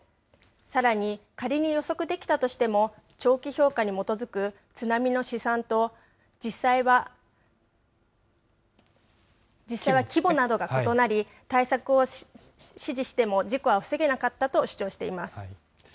さらに、仮に予測できたとしても、長期評価に基づく津波の試算と実際は規模などが異なり、対策を指示しても事故は防げなかったと主張しています。